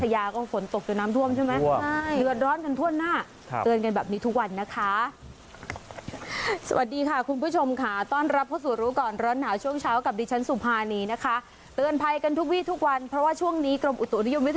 อย่างเมื่อคืนนี้